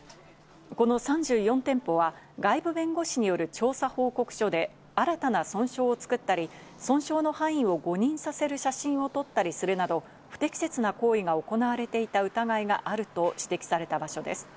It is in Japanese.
この３４店舗は外部弁護士による調査報告書で、新たな損傷を作ったり、損傷の範囲を誤認させる写真を撮ったりするなど、不適切な行為が行われていた疑いがあると指摘された場所です。